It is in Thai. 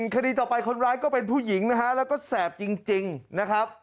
คดีต่อไปคนร้ายก็เป็นผู้หญิงนะฮะแล้วก็แสบจริงนะครับ